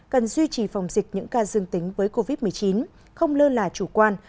cần duy trì phòng dịch những ca dương tính với covid một mươi chín không lơ là chủ quan